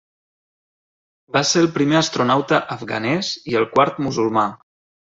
Va ser el primer astronauta afganès i el quart musulmà.